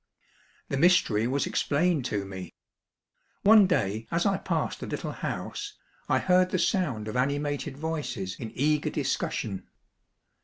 The mystery was explained to me. One day as I passed the little house, I heard the sound of ani mated voices in eager discussion.